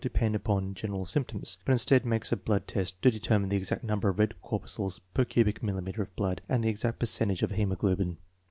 depend upon general symptoms, but instead makes a blood test to determine the exact number of red corpuscles per cubic millimeter of blood and the exact percentage of haemoglobin.